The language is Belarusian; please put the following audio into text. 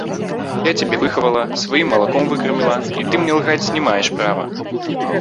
Я цябе выхавала, сваім малаком выкарміла, і ты лгаць мне не маеш права.